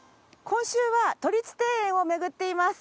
今週は都立庭園を巡っています。